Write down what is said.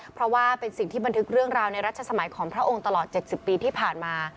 เพราะว่าเป็นสิ่งที่บันทึกเรื่องราวในรัชสมัยของพระองค์ตลอด๗๐ปีที่ผ่านมา